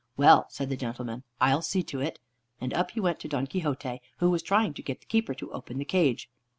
"Well," said the gentleman, "I'll see to it," and up he went to Don Quixote, who was trying to get the keeper to open the cage.